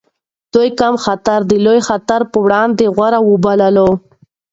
دوی کم خطر د لوی خطر پر وړاندې غوره وباله.